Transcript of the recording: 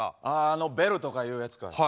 ああのベルとかいうやつか。